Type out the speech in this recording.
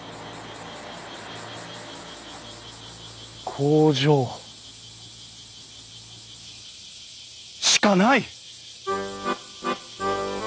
工場しかない！